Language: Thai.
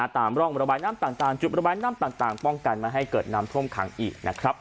ตามร่องระบายน้ำต่างจุดระบายน้ำต่างป้องกันไม่ให้เกิดน้ำท่วมขังอีกนะครับ